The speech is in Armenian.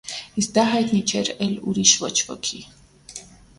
Իսկ դա հայտնի չէր էլ ուրիշ ոչ ոքի։